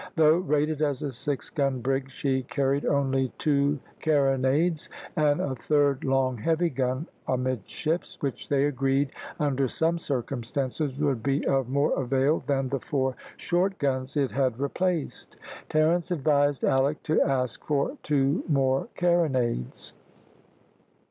Though rated as a six gun brig she carried only two carronades, and a third long heavy gun amidships, which they agreed, under some circumstances, would be of more avail than the four short guns it had replaced. Terence advised Alick to ask for two more carronades.